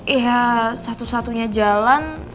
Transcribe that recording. ya satu satunya jalan